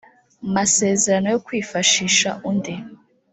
masezerano yo kwifashisha undi